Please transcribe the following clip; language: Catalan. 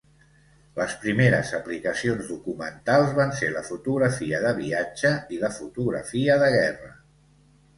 Les primeres aplicacions documentals van ser la fotografia de viatge i la fotografia de guerra.